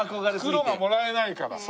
袋がもらえないから。